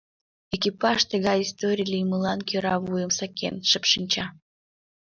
Экипаж, тыгай историй лиймылан кӧра вуйым сакен, шып шинча.